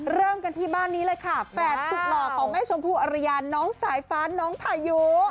เริ่มกันที่บ้านนี้เลยค่ะแฝดสุดหล่อของแม่ชมพู่อรยาน้องสายฟ้าน้องพายุ